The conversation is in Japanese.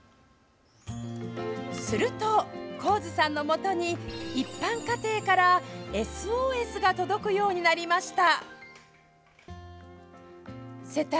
すると高津さんのもとに一般家庭からＳＯＳが届くようになりました。